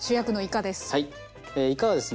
いかはですね